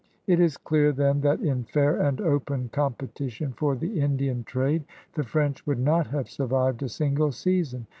It is dear, then, that in fair and open competition for the Indian trade the French would not have survived a single season.'